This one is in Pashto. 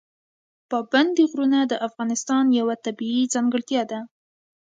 پابندی غرونه د افغانستان یوه طبیعي ځانګړتیا ده.